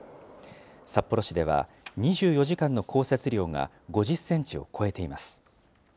札幌市では２４時間の降雪量が５０センチを超えています。